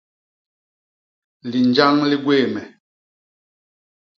Linjañ li gwéé me.